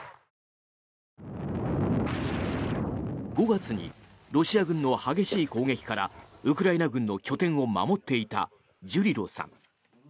５月にロシア軍の激しい攻撃からウクライナ軍の拠点を守っていたジュリロさん。